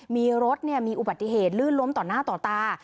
มีรถมีอุบัติเหตุลื่นล้มต่อหน้าต่อตา